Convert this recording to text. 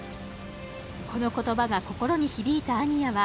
この言葉が心に響いた安仁屋は